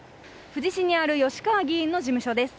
富士市にある吉川議員の事務所です。